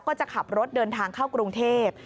ก็จะขับรถเดินทางเข้ากรุงเทพ